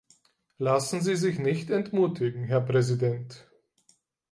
Lassen Sie sich nicht entmutigen, Herr Präsident!